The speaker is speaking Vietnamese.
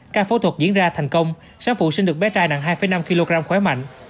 ca phẫu thuật diễn ra thành công sáng vụ sinh được bé trai nặng hai năm kg khóe mạnh